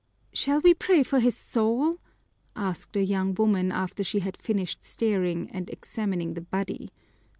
"Shall we pray for his soul?" asked a young woman, after she had finished staring and examining the body.